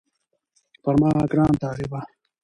پر ما ګران طالبه